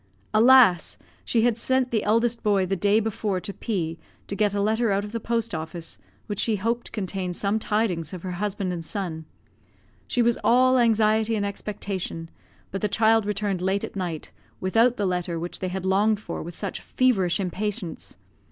Alas! she had sent the eldest boy the day before to P , to get a letter out of the post office, which she hoped contained some tidings of her husband and son. She was all anxiety and expectation, but the child returned late at night without the letter which they had longed for with such feverish impatience.